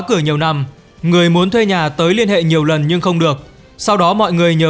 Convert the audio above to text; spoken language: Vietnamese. cửa nhiều năm người muốn thuê nhà tới liên hệ nhiều lần nhưng không được sau đó mọi người nhờ